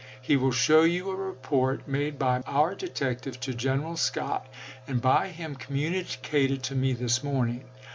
He will show you a report made by our detective to General Scott, and by him communicated to me this morning.